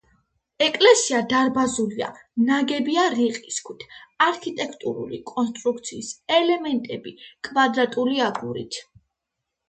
ეკლესია დარბაზულია, ნაგებია რიყის ქვით, არქიტექტურული კონსტრუქციის ელემენტები კვადრატული აგურით.